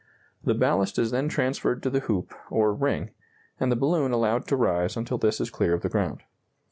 The ballast is then transferred to the hoop, or ring, and the balloon allowed to rise until this is clear of the ground.